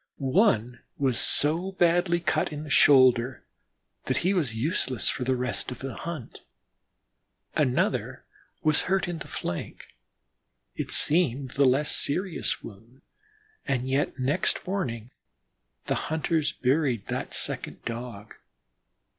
One was so badly cut in the shoulder that he was useless for the rest of the hunt. Another was hurt in the flank it seemed the less serious wound, and yet next morning the hunters buried that second Dog.